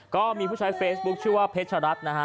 ก็มีผู้ใช้เฟซบุ๊คชื่อว่าเพชรัตน์นะฮะ